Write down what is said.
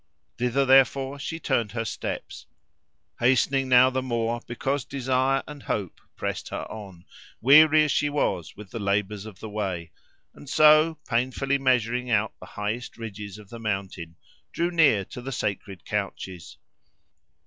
Thither, therefore, she turned her steps, hastening now the more because desire and hope pressed her on, weary as she was with the labours of the way, and so, painfully measuring out the highest ridges of the mountain, drew near to the sacred couches.